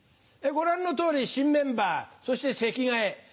ご覧の通り新メンバーそして席替え。